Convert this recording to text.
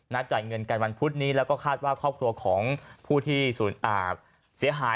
จ่ายเงินกันวันพุธนี้แล้วก็คาดว่าครอบครัวของผู้ที่ศูนย์อาบเสียหาย